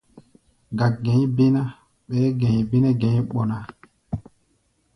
Gák-gɛ̧i̧ bé ná, ɓɛɛ́ gɛ̧i̧ bé nɛ́ gɛ̧i̧ ɓɔ ná.